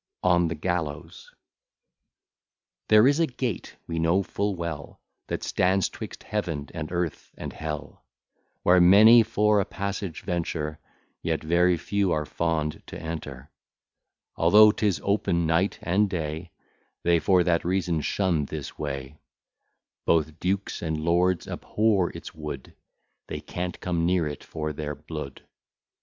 ON THE GALLOWS There is a gate, we know full well, That stands 'twixt Heaven, and Earth, and Hell, Where many for a passage venture, Yet very few are fond to enter: Although 'tis open night and day, They for that reason shun this way: Both dukes and lords abhor its wood, They can't come near it for their blood.